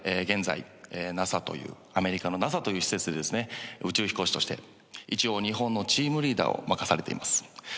現在アメリカのＮＡＳＡという施設で宇宙飛行士として一応日本のチームリーダーを任されています。